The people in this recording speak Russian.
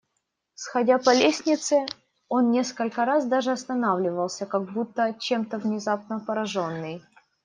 Сходя по лестнице, он несколько раз даже останавливался, как будто чем-то внезапно пораженный.